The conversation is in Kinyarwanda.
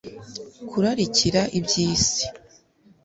kurarikira iby'isi